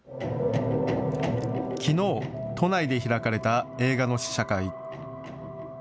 きのう都内で開かれた映画の試写会。